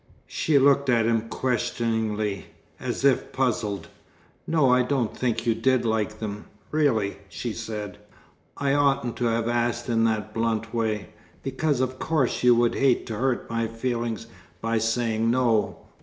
She looked at him questioningly, as if puzzled. "No, I don't think you did like them, really," she said. "I oughtn't to have asked in that blunt way, because of course you would hate to hurt my feelings by saying no!"